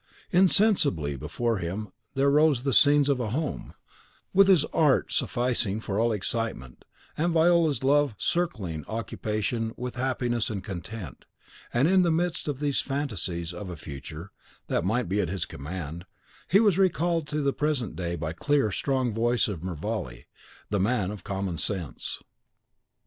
Insensibly before him there rose the scenes of a home, with his art sufficing for all excitement, and Viola's love circling occupation with happiness and content; and in the midst of these fantasies of a future that might be at his command, he was recalled to the present by the clear, strong voice of Mervale, the man of common sense.